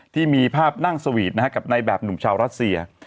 ที่มีภาพนั่งสวีทกับในแบบหนุ่มชาวรัสเซีย